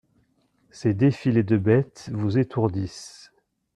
Ces défilés de bêtes vous étourdissent.